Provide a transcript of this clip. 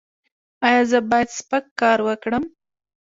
ایا زه باید سپک کار وکړم؟